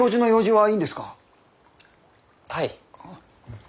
はい。